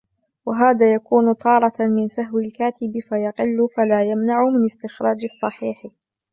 وَهَذَا يَكُونُ تَارَةً مِنْ سَهْوِ الْكَاتِبِ فَيَقِلُّ فَلَا يَمْنَعُ مِنْ اسْتِخْرَاجِ الصَّحِيحِ